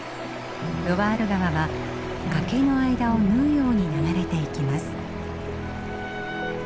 ロワール川は崖の間を縫うように流れていきます。